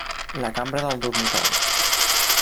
La cambra del dormitori.